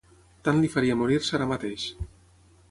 Tant li faria morir-se ara mateix.